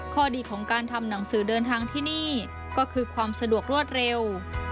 ข้อดีของการทำหนังสือเดินทางที่นี่ก็คือความสะดวกรวดเร็ว